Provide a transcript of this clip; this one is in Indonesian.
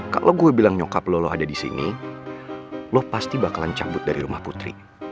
kalau gue bilang nyokap lo ada disini lo pasti bakalan cabut dari rumah putri